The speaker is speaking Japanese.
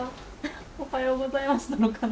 おはようございますなのかな。